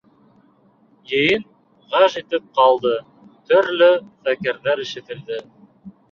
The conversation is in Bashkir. Йыйын гөж итеп ҡалды, төрлө фекерҙәр ишетелде.